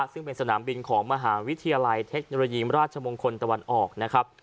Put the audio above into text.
ซึ่งเป็นสนามบินของมหาวิทยาลัยเทคโนโลยีมราชมงคลตะวันออกนะครับ